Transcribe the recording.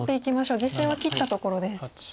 実戦は切ったところです。